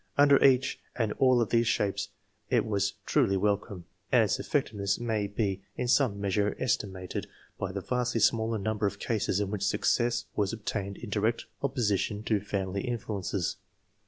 Under each and all of these shapes it was truly welcome, and its effective ness may be in some measure estimated by the vastly smaller number of cases in which success 2(« ENGLISH MEN OF SCIENCE. [chap. was obtained in direct opposition to family influences.